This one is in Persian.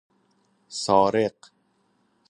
سارق